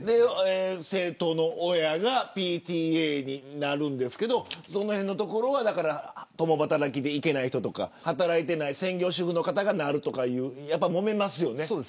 生徒の親がＰＴＡになるんですがそのあたりのところは共働きで行けないとか働いていない専業主婦の方がなるとかで、もめますよね。